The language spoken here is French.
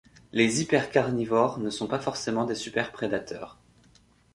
Les hypercarnivores ne sont pas forcément des superprédateurs.